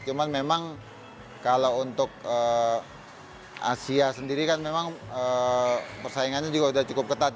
cuman memang kalau untuk asia sendiri kan memang persaingannya juga sudah cukup ketat